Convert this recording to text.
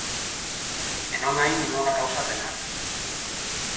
E non hai ningunha causa penal.